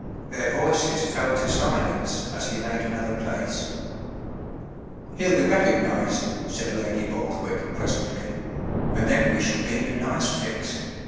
Their voices fell to silence as he laid another place. “ He’ll be recognized,” said Lady Borth wick, presently. “ And then we shall be in a nice fix.